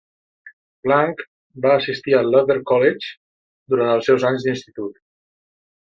Blanck va assistir al Luther College durant els seus anys d'institut.